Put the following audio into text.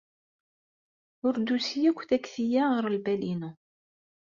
Ur d-tusi akk takti-a ɣer lbal-inu.